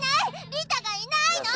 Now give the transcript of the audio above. リタがいないの！